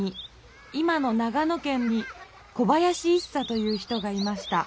今の長野県に小林一茶という人がいました。